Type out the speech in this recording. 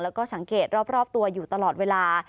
แล้วก็สังเกตรอบตัวอยู่ตลอดเวลา